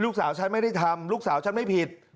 ฉันไม่ได้ทำลูกสาวฉันไม่ผิด